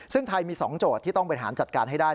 ซึ่งไทยมี๒โจทย์ที่ต้องบริหารจัดการให้ได้